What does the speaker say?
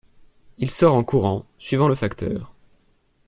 Il sort en courant, suivant le facteur.